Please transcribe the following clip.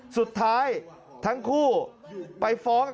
สุดท้ายทั้งคู่ไปฟ้อง